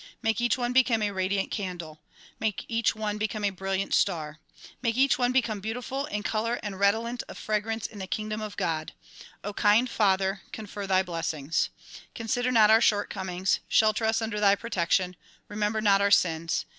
May each one become a radiant candle. May each one become a brilliant star. May each one become beautiful in color and redolent of fragrance in the kingdom of God. kind Father! confer thy blessings. Consider not our shortcomings. Shelter us under thy protection. Remember not our sins.